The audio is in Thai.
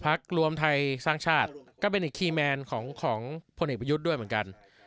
อ๋อพรรครวมไทยสร้างชาติก็เป็นอีกของผลอีกประยุทธ์ด้วยเหมือนกัน